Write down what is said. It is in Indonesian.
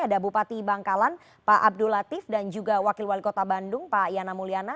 ada bupati bangkalan pak abdul latif dan juga wakil wali kota bandung pak yana mulyana